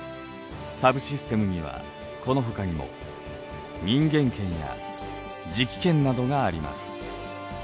サブシステムにはこのほかにも人間圏や磁気圏などがあります。